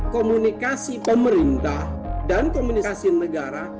komunikasi pemerintah dan komunikasi negara